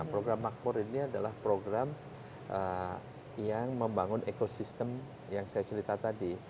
program makmur ini adalah program yang membangun ekosistem yang saya cerita tadi